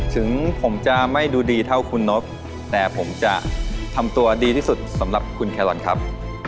ถึงผมจะไม่ดูดีเท่าคุณนบแต่ผมจะทำตัวดีที่สุดสำหรับคุณแครอนครับ